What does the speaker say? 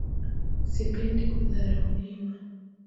Sipendi kudharauliwa.